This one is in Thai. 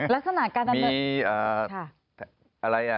ลักษณะการดำเนิน